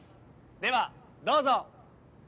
ではどうぞ。